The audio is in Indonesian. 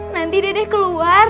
nanti dedeh keluar